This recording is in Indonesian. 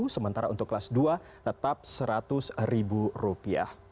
sementara untuk kelas dua tetap rp seratus